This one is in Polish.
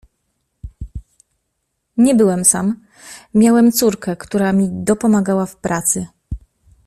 "Nie byłem sam, miałem córkę, która mi dopomagała w pracy."